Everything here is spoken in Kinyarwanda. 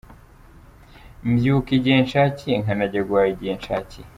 Mbyuka igihe nshakiye, nkanajya guhaha igihe nshaciye.